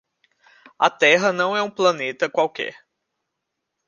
A Terra não é um planeta qualquer!